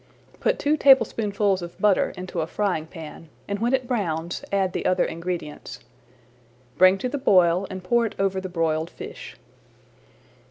Put two tablespoonfuls of butter into a frying pan and when it browns add the other ingredients. Bring to the boil and pour it over the broiled fish.